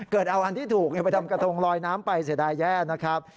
เกิดเอาอันที่ถูกไปทำกระทงลอยน้ำไปเสียดายแย่นะครับ